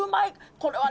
これはね